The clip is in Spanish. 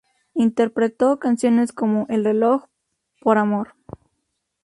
Interpretó canciones como "El reloj", "Por amor".